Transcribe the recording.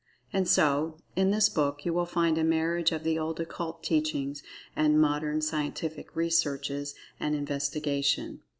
And so, in this book you will find a marriage of the old Occult Teachings and Modern Scientific Researches and Investigation.